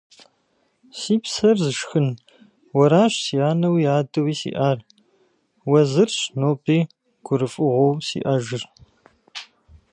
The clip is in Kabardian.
Си псэр зышхын, уэращ сэ анэуи адэуи сиӏар. Уэ зырщ ноби гурыфӏыгъуэу сиӏэжыр.